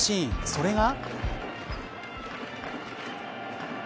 それが。